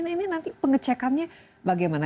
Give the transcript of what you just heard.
ini nanti pengecekannya bagaimana